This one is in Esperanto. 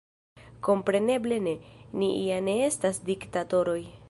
Kompreneble ne – ni ja ne estas diktatoroj!